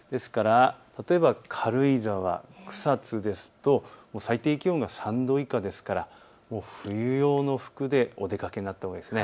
例えば軽井沢、草津ですと最低気温が３度以下ですから冬用の服でお出かけになったほうがいいです。